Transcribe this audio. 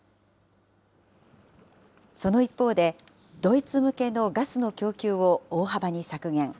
その一方で、ドイツ向けのガスの供給を大幅に削減。